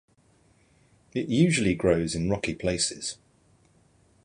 It usually grows in rocky places.